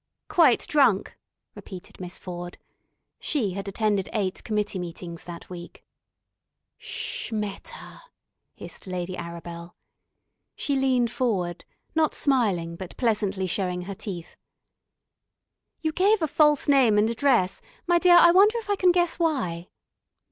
"Quite drunk," repeated Miss Ford. She had attended eight committee meetings that week. "S s s sh, Meta," hissed Lady Arabel. She leaned forward, not smiling, but pleasantly showing her teeth. "You gave a false name and address. My dear, I wonder if I can guess why."